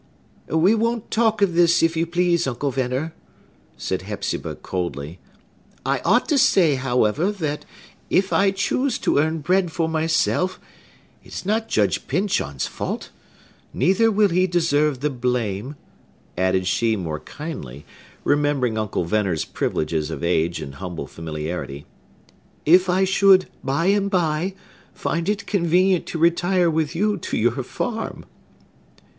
"We won't talk of this, if you please, Uncle Venner," said Hepzibah coldly. "I ought to say, however, that, if I choose to earn bread for myself, it is not Judge Pyncheon's fault. Neither will he deserve the blame," added she more kindly, remembering Uncle Venner's privileges of age and humble familiarity, "if I should, by and by, find it convenient to retire with you to your farm."